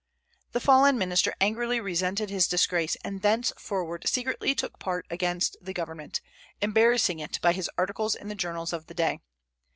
The fallen minister angrily resented his disgrace, and thenceforward secretly took part against the government, embarrassing it by his articles in the journals of the day.